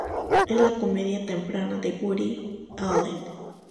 Es la comedia "temprana" de Woody Allen.